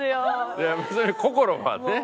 いや別に心はね。